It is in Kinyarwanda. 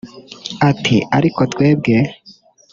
Ati “Ariko twebwe